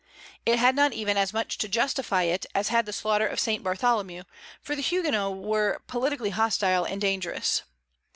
It had not even as much to justify it as had the slaughter of St. Bartholomew, for the Huguenots were politically hostile and dangerous.